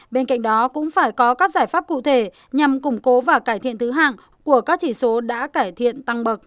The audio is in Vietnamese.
bên cạnh đó cũng phải có các giải pháp cụ thể nhằm củng cố và cải thiện thứ hạng của các chỉ số đã cải thiện tăng bậc